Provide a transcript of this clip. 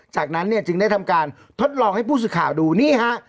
จากนั้นเนี่ยจึงได้ทำการทดลองให้ผู้สื่อข่าวดูนี่ฮะ